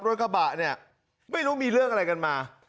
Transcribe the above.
รถกระบะเนี่ยไม่รู้มีเรื่องอะไรกันมา